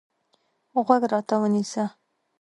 غوږ راته ونیسه.